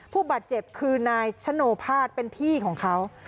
ผู้บาดเจ็บคือนายชโนภาษเป็นพี่ของเขา